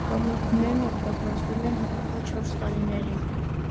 Կամուրջներն օգտագործվել են հետագա չորս տարիներին։